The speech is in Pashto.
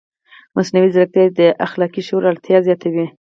مصنوعي ځیرکتیا د اخلاقي شعور اړتیا زیاتوي.